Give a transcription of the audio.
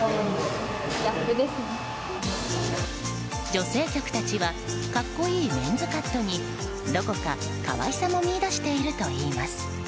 女性客たちは格好いいメンズカットにどこか可愛さも見いだしているといいます。